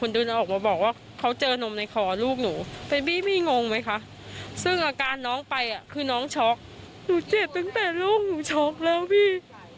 ถึงให้ไม่พร้อมอย่างไรนะพี่